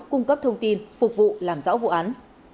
cung cấp thông tin phục vụ làm rõ vụ án